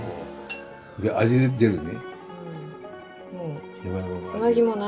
味が出るね。